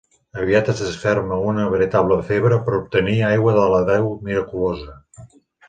Aviat es desferma una veritable febre per obtenir aigua de la deu miraculosa.